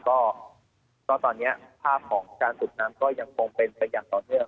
ก็ตอนนี้ภาพของการสูบน้ำก็ยังคงเป็นไปอย่างต่อเนื่อง